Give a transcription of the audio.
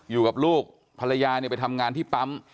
อยู่กับลูกภรรยาเนี่ยไปทำงานที่ปั๊ม